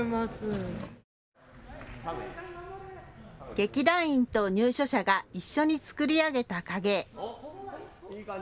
劇団員と入所者が一緒に作り上げた影絵。